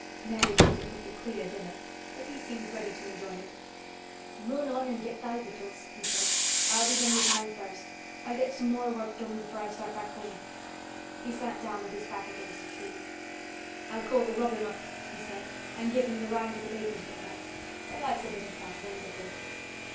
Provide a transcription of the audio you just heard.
Mary thought it looked a queer dinner, but he seemed ready to enjoy it. "Run on an' get thy victuals," he said. "I'll be done with mine first. I'll get some more work done before I start back home." He sat down with his back against a tree. "I'll call th' robin up," he said, "and give him th' rind o' th' bacon to peck at. They likes a bit o' fat wonderful."